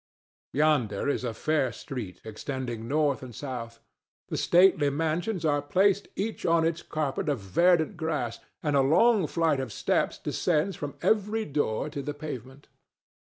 Yonder is a fair street extending north and south. The stately mansions are placed each on its carpet of verdant grass, and a long flight of steps descends from every door to the pavement.